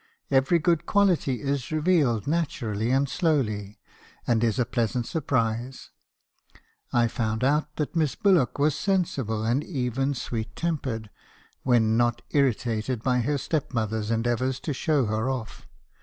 Every good quality is revealed naturally and slowly, and is a pleasant surprise. I found out that Miss Bullock was sensible, and even sweet tempered, when not irritated by her step mother's endeavours to show her off.